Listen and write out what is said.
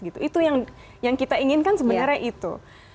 itu yang kita inginkan sebenarnya itu